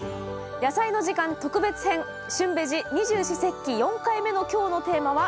「やさいの時間特別編旬ベジ二十四節気」４回目の今日のテーマは。